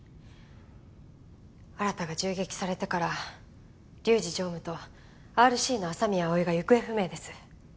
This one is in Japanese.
新が銃撃されてから龍二常務とＲＣの麻宮葵が行方不明です。